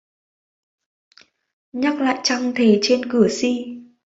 Nhắc lại trăng thề trên cửa si